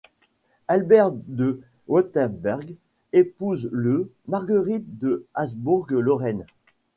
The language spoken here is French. Albert de Wurtemberg épouse le Marguerite de Habsbourg-Lorraine.